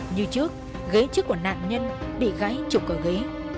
như trước ghế trước của nạn nhân bị gáy trục ở ghế